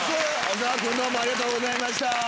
小沢君ありがとうございました。